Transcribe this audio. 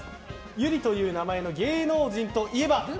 ゆりという名前の芸能人といえば？